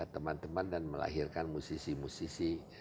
teman teman dan melahirkan musisi musisi